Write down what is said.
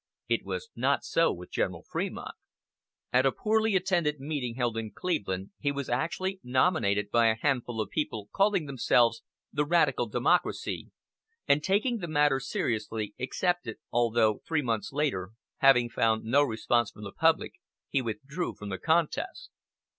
It was not so with General Fremont. At a poorly attended meeting held in Cleveland he was actually nominated by a handful of people calling themselves the "Radical Democracy," and taking the matter seriously, accepted, although, three months later, having found no response from the public, he withdrew from the contest.